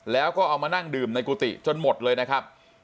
แล้วก็เอามานั่งดื่มในกุฏิจนหมดเลยนะครับ